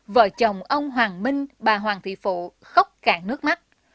vợ chồng ông hoàng minh bà hoàng thị phụ khốc cạn nước mắt